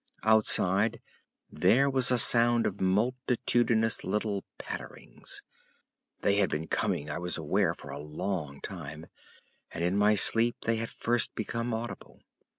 Outside there was a sound of multitudinous little patterings. They had been coming, I was aware, for a long time, and in my sleep they had first become audible.